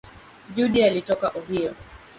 Judy alitoka Ohio.